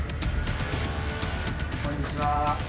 こんにちは。